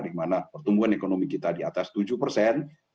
di mana pertumbuhan ekonomi kita di atas tujuh persen